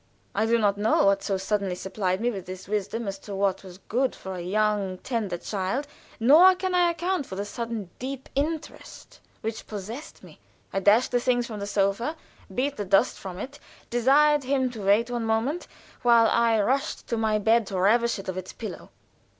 I do not know what had so suddenly supplied me with this wisdom as to what was good for a "young, tender child," nor can I account for the sudden deep interest which possessed me. I dashed the things off the sofa, beat the dust from it, desired him to wait one moment while I rushed to my bed to ravish it of its pillow.